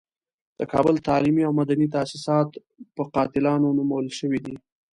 د کابل تعلیمي او مدني تاسیسات په قاتلانو نومول شوي دي.